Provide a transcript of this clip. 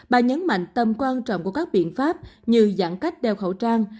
bà nhấn mạnh tầm quan trọng của các biện pháp như giãn cách đeo khẩu trang